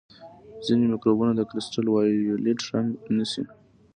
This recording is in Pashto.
ځینې مکروبونه د کرسټل وایولېټ رنګ نیسي.